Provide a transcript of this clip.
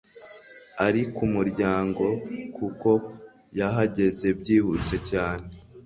ari kumuryango kuko yahageze byihuse cyane